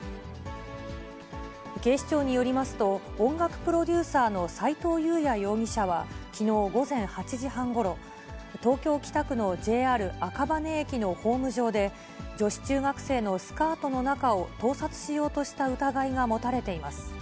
警視庁によりますと、音楽プロデューサーの斎藤悠弥容疑者はきのう午前８時半ごろ、東京・北区のＪＲ赤羽駅のホーム上で、女子中学生のスカートの中を盗撮しようとした疑いが持たれています。